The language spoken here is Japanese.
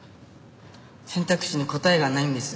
選択肢に答えがないんです。